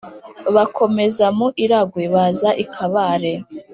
Bakomeza mu Iragwe, baza i Kabare,